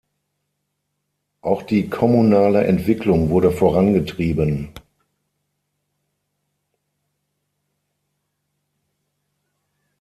Auch die kommunale Entwicklung wurde vorangetrieben.